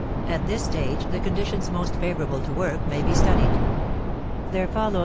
At this stage the conditions most favorable to work may be studied.